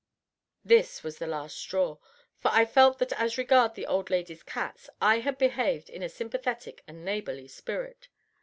This was the last straw, for I felt that as regards the old lady's cats I had behaved in a sympathetic and neighborly spirit.